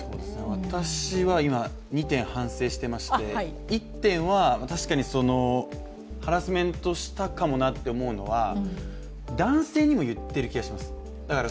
私は今、２点反省してまして、１点は確かにハラスメントしたかもなと思うのは男性にも言っているような気がします。